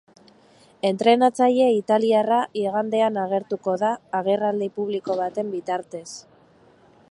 Entrenatzaile italiarra igandean agurtuko da agerraldi publiko baten bitartez.